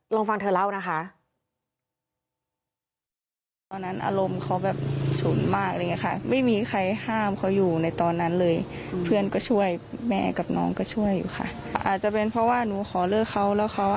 ลองฟังเธอเล่านะคะ